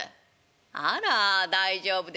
「あら大丈夫ですよ。